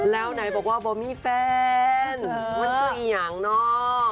แล้วไหนบอกว่าบ่มมีแฟนมัสใสงอยากเนาะ